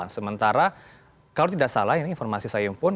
sementara kalau tidak salah ini informasi saya impun